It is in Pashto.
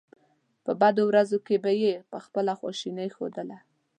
په بدو ورځو کې به یې خپله خواشیني ښودله.